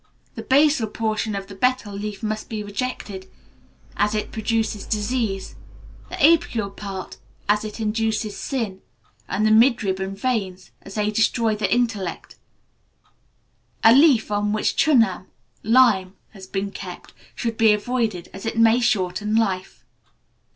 The basal portion of the betel leaf must be rejected, as it produces disease; the apical part, as it induces sin; and the midrib and veins, as they destroy the intellect. A leaf on which chunam (lime) has been kept, should be avoided, as it may shorten life.